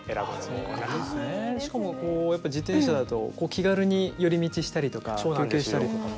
しかもこう自転車だと気軽に寄り道したりとか休憩したりとかも。